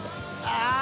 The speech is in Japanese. ああ。